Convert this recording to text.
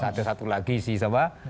ada satu lagi siapa